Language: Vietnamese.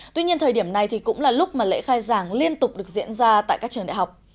tuy nhiên thời điểm này thì cũng là lúc mà lễ khai giảng liên tục được diễn ra tại các trường đại học